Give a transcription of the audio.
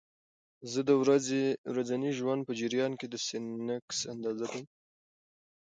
زه د ورځني ژوند په جریان کې د سنکس اندازه تنظیموم.